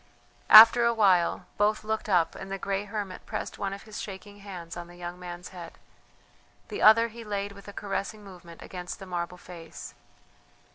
After a while both looked up and the grey hermit pressed one of his shaking hands on the young man's head; the other he laid with a caressing movement against the marble face.